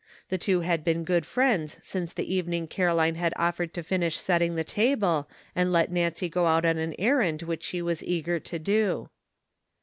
The two had been good friends since the evening Caroline had offered to tinish setting the table, and let Nancy go out on an errand which she was eager to do.